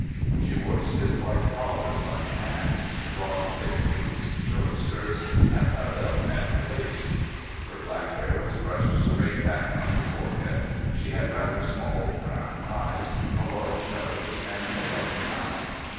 She wore stiff white collars like a man's, broad thick boots, short skirts and a belt at her waist. Her black hair was brushed straight back from her forehead, she had rather small brown eyes, a large nose and a large mouth.